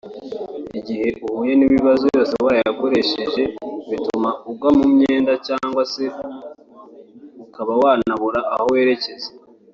Igihe uhuye n’ibibazo yose warayakoresheje bituma ugwa mu myenda cyangwa se ukaba wanabura aho werekeza